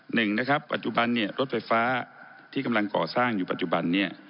หนึ่งนะครับปัจจุบันเนี่ยรถไฟฟ้าที่กำลังก่อสร้างอยู่ปัจจุบันนี้